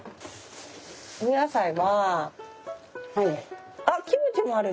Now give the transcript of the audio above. お野菜はあキムチもあるんだね。